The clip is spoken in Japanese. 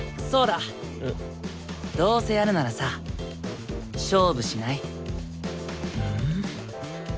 どうせやるならさ勝負しない？